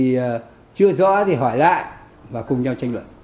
thì chưa rõ thì hỏi lại và cùng nhau tranh luận